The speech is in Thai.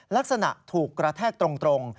ลักษณะถูกกระแทกตรง